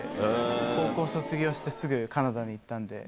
高校卒業してすぐカナダに行ったんで。